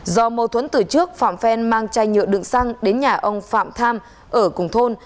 do mâu thuẫn từ trước phạm phen mang chai nhựa đựng xăng đến nhà ông phạm tham ở cùng thôn